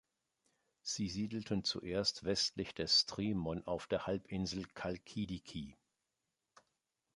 Sie siedelten zuerst westlich des Strymon auf der Halbinsel Chalkidiki.